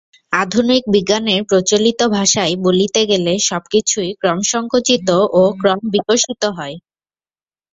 আধুনিক বিজ্ঞানের প্রচলিত ভাষায় বলিতে গেলে সবকিছুই ক্রমসঙ্কুচিত ও ক্রমবিকশিত হয়।